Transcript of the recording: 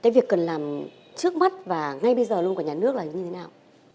việc cần làm trước mắt và ngay bây giờ luôn của nhà nước là như thế nào